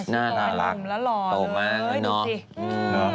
น่ารักโตมากเลย